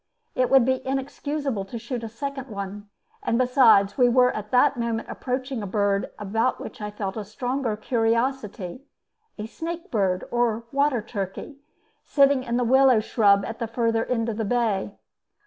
It would be inexcusable to shoot a second one; and besides, we were at that moment approaching a bird about which I felt a stronger curiosity, a snake bird, or water turkey, sitting in a willow shrub at the further end of the bay.